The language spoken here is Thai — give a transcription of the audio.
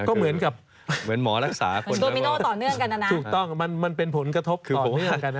ก็เหมือนกับเหมือนโดมิโนต่อเนื่องกันนะนะถูกต้องมันเป็นผลกระทบต่อเนื่องกันนะ